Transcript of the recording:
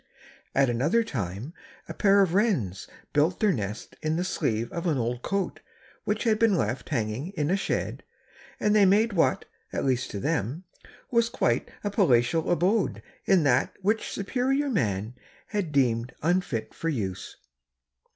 At another time a pair of wrens built their nest in the sleeve of an old coat which had been left hanging in a shed and they made what, at least to them, was quite a palatial abode in that which superior man had deemed unfit for use.